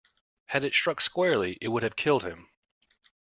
Had it struck squarely it would have killed him.